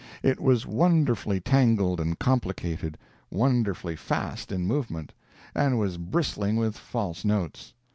It was wonderfully tangled and complicated, wonderfully fast in movement, and was bristling with false notes.